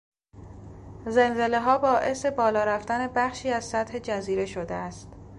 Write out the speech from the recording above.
زلزلهها باعث بالا رفتن بخشی از سطح جزیره شده است.